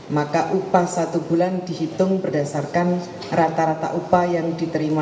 maka upah satu bulan dihitung berdasarkan rata rata upah yang diterima